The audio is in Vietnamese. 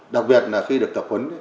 đặc biệt là khi được tập huấn